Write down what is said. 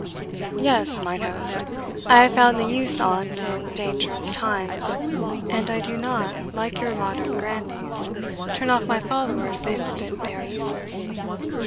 "Yes, mine host; I have found the use on't in dangerous times, and I do not, like your modern grandees, turn off my followers the instant they are useless."